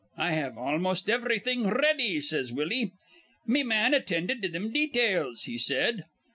'I have almost ivrything r ready,' says Willie. 'Me man attinded to thim details,' he says.